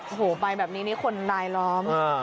โอ้โหไปแบบนี้นี่คนรายล้อม